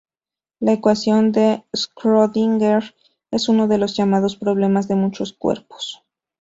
La ecuación de Schrödinger es uno de los llamados problemas de muchos cuerpos.